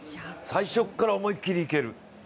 最初から思い切りいける。